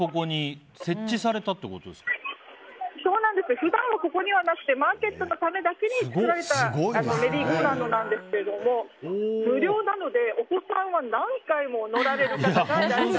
普段はここにはなくてマーケットのためだけに作られたメリーゴーラウンドなんですが無料なので、お子さんは何回も乗られる方がいらっしゃいます。